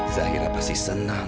dia bisa potroankan